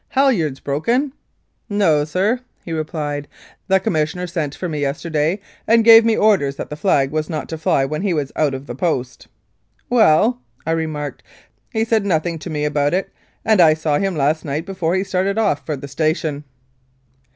Halyards broken ?" "No, sir," replied he, "the Commissioner sent for me yesterday and gave me orders that the flag was not to fly when he was out of the Post." "Well," I remarked, "he said nothing to me about it, and I saw him last night before he started off for the station."